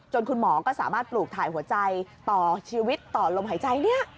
คุณหมอก็สามารถปลูกถ่ายหัวใจต่อชีวิตต่อลมหายใจเนี่ย